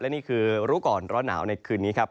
นี่คือรู้ก่อนร้อนหนาวในคืนนี้ครับ